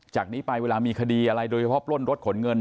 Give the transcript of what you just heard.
จากนี้ไปเวลามีคดีอะไรดวชภพลชลดขนเงิน